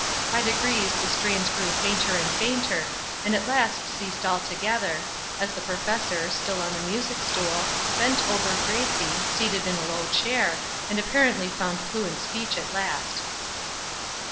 By degrees the strains grew fainter and fainter, and at last ceased altogether, as the professor, still on the music stool, bent over Gracie, seated in a low chair, and apparently found fluent speech at last.